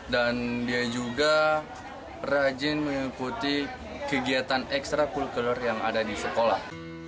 dan dia juga rajin mengikuti kegiatan ekstra kulur kulur yang ada di sekolah